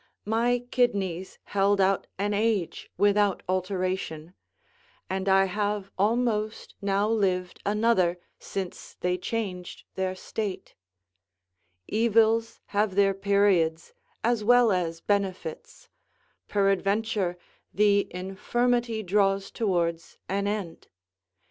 My kidneys held out an age without alteration; and I have almost now lived another, since they changed their state; evils have their periods, as well as benefits: peradventure, the infirmity draws towards an end.